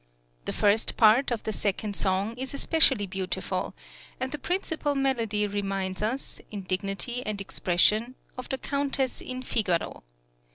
The first part of the second song (9) is especially beautiful, and the principal melody reminds us, in dignity and expression, of the Countess in "Figaro."